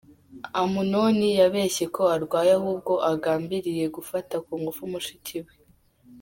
Amunoni yabeshye ko arwaye ahubwo agambiriye gufata ku ngufu mushiki we.